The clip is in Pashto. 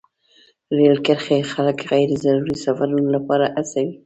رېل کرښې خلک غیر ضروري سفرونو لپاره هڅوي.